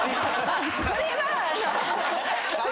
これは。